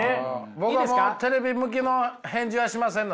僕はもうテレビ向きの返事はしませんので。